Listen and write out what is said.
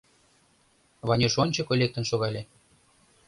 — Ванюш ончыко лектын шогале.